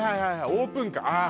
「オープンカー」ああ